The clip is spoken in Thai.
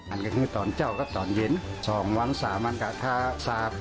อันนี้คือตอนเจ้าก็ตอนเย็น๒วัน๓วันกระทะ๓